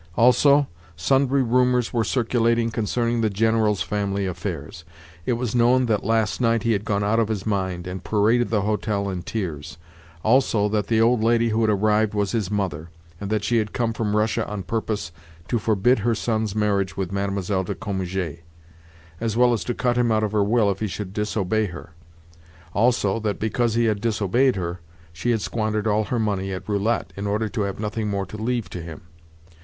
Also, sundry rumours were circulating concerning the General's family affairs. It was known that last night he had gone out of his mind, and paraded the hotel in tears; also, that the old lady who had arrived was his mother, and that she had come from Russia on purpose to forbid her son's marriage with Mlle. de Cominges, as well as to cut him out of her will if he should disobey her; also that, because he had disobeyed her, she had squandered all her money at roulette, in order to have nothing more to leave to him.